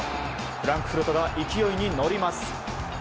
フランクフルトが勢いに乗ります。